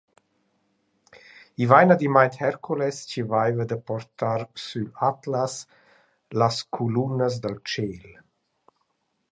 I vain adimmaint Hercules chi vaiva da portar sül Atlas las culuonnas dal tschêl.